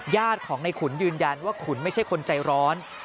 ญาติของในขุนยืนยันว่าขุนไม่ใช่คนใจร้อน